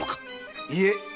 いえ。